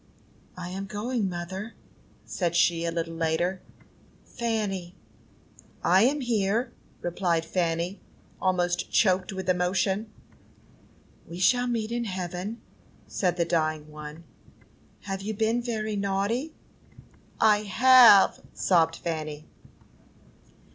"I am going, mother," said she, a little later. "Fanny!" "I am here," replied Fanny, almost choked with emotion. "We shall meet in heaven," said the dying one. "Have you been very naughty?" "I have," sobbed Fanny.